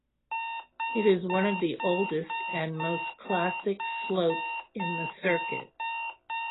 It is one of the oldest and most classic slopes in the circuit.